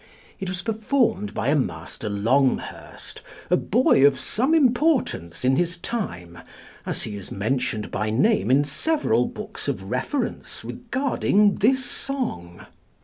It was performed by a Master Longhurst, a boy of some importance in his time, as he is mentioned by name in several books of reference regarding this song.